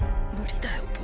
無理だよ